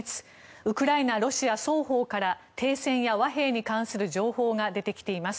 ウクライナ、ロシア双方から停戦や和平に関する情報が出てきています。